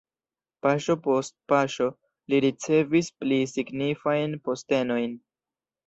Paŝo post paŝo li ricevis pli signifajn postenojn.